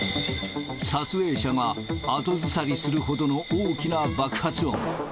撮影者が後ずさりするほどの大きな爆発音。